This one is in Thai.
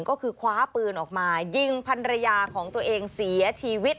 ก็คือคว้าปืนออกมายิงพันรยาของตัวเองเสียชีวิต